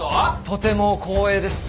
とても光栄です。